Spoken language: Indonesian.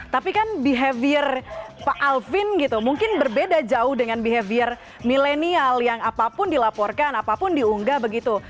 tapi kan behavior pak alvin gitu mungkin berbeda jauh dengan behavior milenial yang apapun dilaporkan apapun diunggah begitu